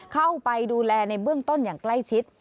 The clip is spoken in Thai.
เข้าไปดูแลในเบื้องต้นอย่างใกล้ชิด